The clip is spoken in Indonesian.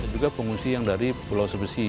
juga pengungsi yang dari pulau sebesi